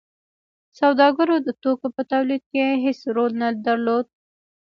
سوداګرو د توکو په تولید کې هیڅ رول نه درلود.